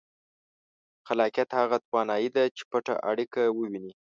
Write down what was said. خلاقیت هغه توانایي ده چې پټه اړیکه ووینئ.